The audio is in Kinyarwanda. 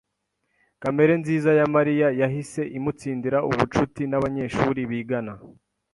Kamere nziza ya Mariya yahise imutsindira ubucuti nabanyeshuri bigana.